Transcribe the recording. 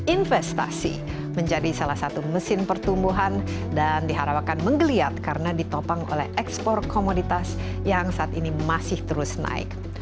investasi menjadi salah satu mesin pertumbuhan dan diharapkan menggeliat karena ditopang oleh ekspor komoditas yang saat ini masih terus naik